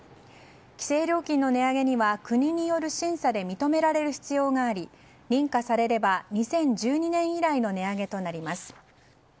規制料金の値上げには国による審査で認められる必要があり認可されれば２０１２年以来の値上げとなります。